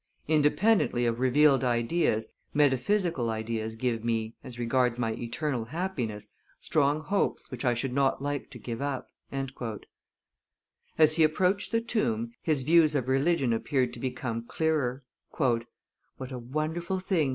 Independently of revealed ideas, metaphysical ideas give me, as regards my eternal happiness, strong hopes which I should not like to give up." As he approached the tomb, his views of religion appeared to become clearer. "What a wonderful thing!"